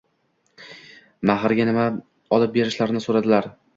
Mahrga nima olib berishlarini soʻradilar.